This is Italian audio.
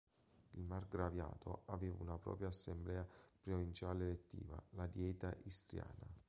Il margraviato aveva una propria assemblea provinciale elettiva, la Dieta istriana.